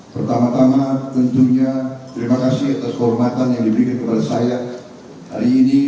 pertama tama tentunya terima kasih atas kehormatan yang diberikan kepada saya hari ini